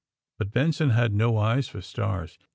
But Benson had no eyes for stars.